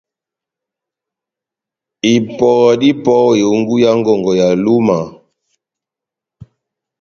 Ipɔ dá ipɔ ó ehungu yá ngɔngɔ ya Lúma,